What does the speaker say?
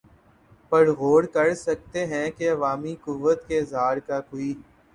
پر غور کر سکتے ہیں کہ عوامی قوت کے اظہار کا کوئی